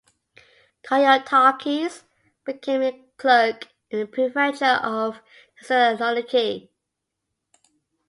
Karyotakis became a clerk in the Prefecture of Thessaloniki.